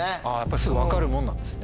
すぐ分かるもんなんですね。